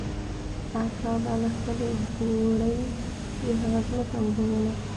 اکا به له خپلې بوړۍ د هغه ځمکه اوبوله.